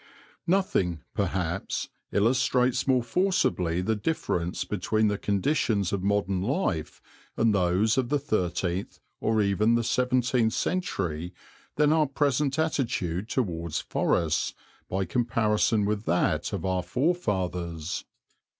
Nothing, perhaps, illustrates more forcibly the difference between the conditions of modern life and those of the thirteenth or even the seventeenth century than our present attitude towards forests by comparison with that of our forefathers.